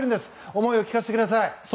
思いを聞かせてください。